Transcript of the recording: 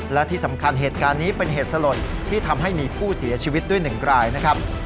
และที่สำคัญเหตุการณ์นี้เป็นเหตุสลดที่ทำให้มีผู้เสียชีวิตด้วยหนึ่งรายนะครับ